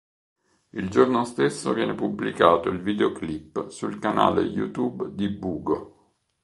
Il giorno stesso viene pubblicato il videoclip sul canale YouTube di Bugo.